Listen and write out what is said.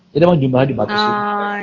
jadi emang jumlahnya dibatasi